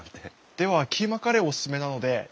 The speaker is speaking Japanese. ではキーマカレーおすすめなのでいかがですか？